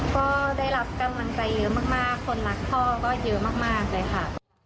ก็ได้รับกำลังใจเยอะมากคนรักพ่อก็เยอะมากเลยค่ะ